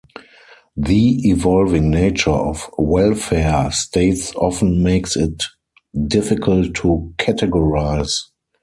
The evolving nature of welfare states often makes it difficult to categorize.